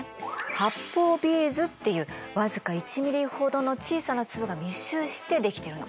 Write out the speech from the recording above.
発泡ビーズっていう僅か１ｍｍほどの小さな粒が密集して出来てるの。